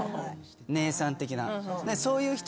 姉さん的な。